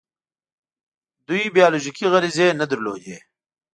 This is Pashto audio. دوی بیولوژیکي غریزې نه درلودې.